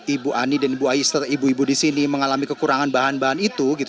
ibu ani dan ibu ais ibu ibu di sini mengalami kekurangan bahan bahan itu